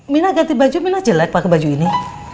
minah ganti baju minah jelek pake baju ini